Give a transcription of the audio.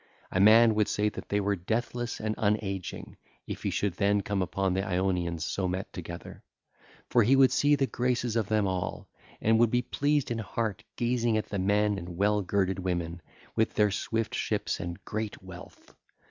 A man would say that they were deathless and unageing if he should then come upon the Ionians so met together. For he would see the graces of them all, and would be pleased in heart gazing at the men and well girded women with their swift ships and great wealth.